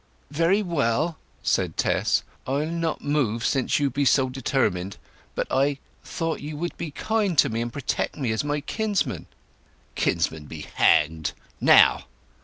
"Very well," said Tess, "I'll not move since you be so determined! But I—thought you would be kind to me, and protect me, as my kinsman!" "Kinsman be hanged! Now!"